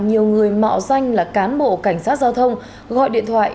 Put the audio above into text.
nhiều người mạo danh là cán bộ cảnh sát giao thông gọi điện thoại